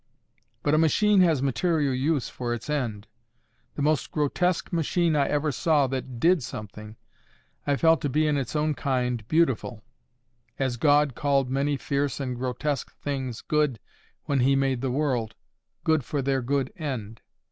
But a machine has material use for its end. The most grotesque machine I ever saw that DID something, I felt to be in its own kind beautiful; as God called many fierce and grotesque things good when He made the world—good for their good end.